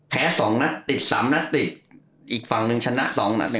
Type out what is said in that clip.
แพ้๒นัสติด๓นัสติดอีกฝั่งนึงชนะ๒นัด๑